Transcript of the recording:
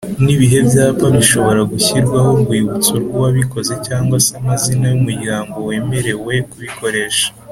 Nibihe byapa bishobora gushyirwaho urwibutso rw’uwabikoze cg se amazina y’umuryango wemerewe kubikoresha